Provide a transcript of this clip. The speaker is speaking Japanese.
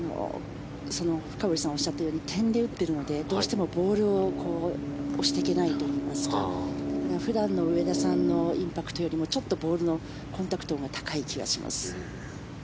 深堀さんがおっしゃっているように点で打っているのでどうしてもボールを押していけないといいますか普段の上田さんのインパクトよりもちょっとボールのコンタクトが高い気がします。